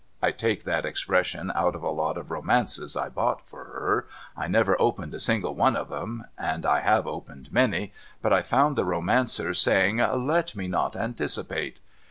(I take that expression out of a lot of romances I bought for her. I never opened a single one of 'em — and I have opened many — but I found the romancer saying ' let me not anticipate.'